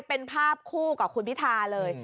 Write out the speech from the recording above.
เป็นภาพคู่กับคุณพิธาเลย